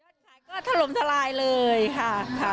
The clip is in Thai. ยอดขายก็ทะลมทะลายเลยค่ะ